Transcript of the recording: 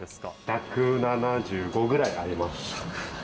１７５度くらいあります。